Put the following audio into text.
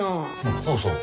そうそう。